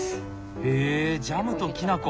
へえジャムときな粉。